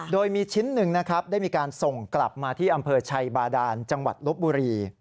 โดยมีชิ้นหนึ่งนะครับได้มีการส่งกลับมาที่อำเภอชัยบาดานจังหวัดลบบุรี